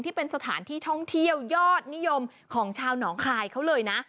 ที่เป็นสถานที่ท่องเที่ยวยอดนิยมของชาวหนองคายเขาเลยนะ